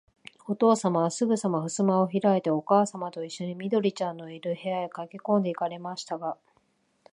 おとうさまは、すぐさまふすまをひらいて、おかあさまといっしょに、緑ちゃんのいる、部屋へかけこんで行かれましたが、